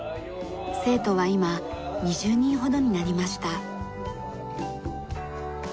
生徒は今２０人ほどになりました。